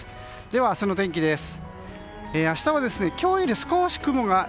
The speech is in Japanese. では、明日の天気です。